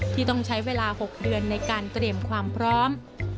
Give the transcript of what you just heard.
ที่ต้องใช้เวลา๖เดือนในการเตรียมความพร้อม